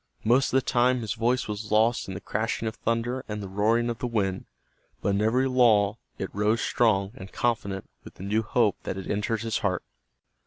Most of the time his voice was lost in the crashing of thunder and the roaring of the wind, but in every lull it rose strong and confident with the new hope that had entered his heart.